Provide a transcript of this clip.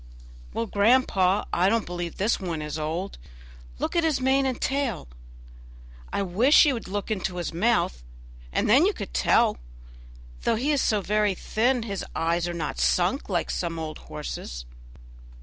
"Well, grandpapa, I don't believe that this one is old; look at his mane and tail. I wish you would look into his mouth, and then you could tell; though he is so very thin, his eyes are not sunk like some old horses'."